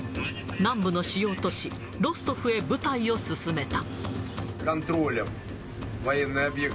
南部の主要都市ロストフへ部隊を進めた。